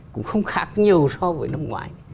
cũng không khác nhiều so với năm ngoái